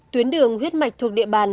tuyến đường huyết mạch thuộc địa bàn